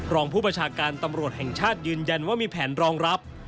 รองผู้ประชาการตำรวจแห่งชาติยืนยันว่ามีแผนรองรับ